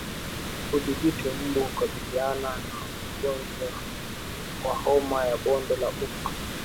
Kudhibiti mbu hukabiliana na ugonjwa wa homa ya bonde la ufa